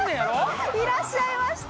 いらっしゃいました！